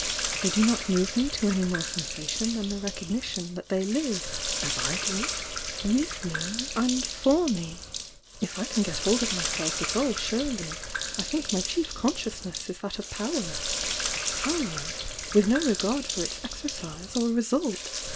They do not move me to any more sensation than the recognition that they live as I do, toith me and for me. If I can get hold of myself at all surely, I think my chief consciousness is that of power,— power, with no regard for its exercise or result."